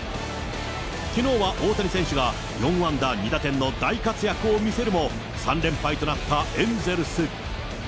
きのうは大谷選手が４安打２打点の大活躍を見せるも、３連敗となったエンゼルス。